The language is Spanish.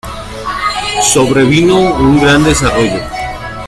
Sobrevino un gran desarrollo.